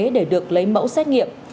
để được lấy mẫu xét nghiệm